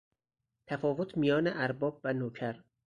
تفاوت میان ارباب و نوکر